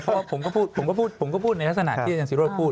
เพราะว่าผมก็พูดในลักษณะที่อาจารย์ศิริรวชพูด